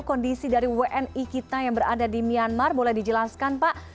kondisi dari wni kita yang berada di myanmar boleh dijelaskan pak